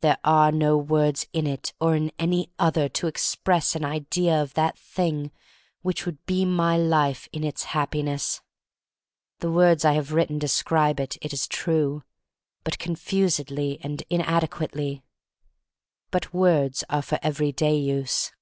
There are no words in it, or in any other, to express an idea of that thing which would be my life in its Happiness. The words I have written describe it, it is true, — but confusedly and inade quately. But words are for everyday use.